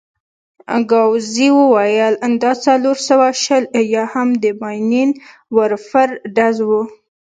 ګاووزي وویل: دا څلور سوه شل یا هم د ماينين ورفر ډز وو.